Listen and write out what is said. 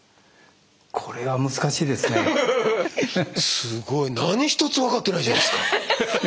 すごい何一つ分かってないじゃないですか。